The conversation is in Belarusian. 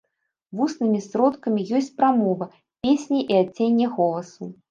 Вуснымі сродкамі ёсць прамова, песня і адценне голасу.